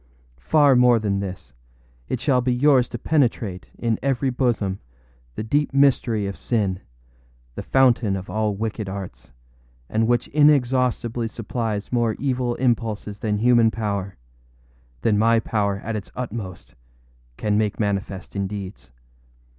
Far more than this. It shall be yours to penetrate, in every bosom, the deep mystery of sin, the fountain of all wicked arts, and which inexhaustibly supplies more evil impulses than human powerâthan my power at its utmostâcan make manifest in deeds.